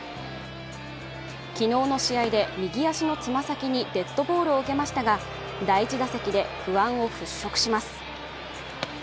昨日の試合で右足のつま先にデッドボールを受けましたが第１打席で不安を払拭します。